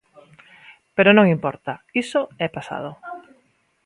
Pero non importa, iso é pasado.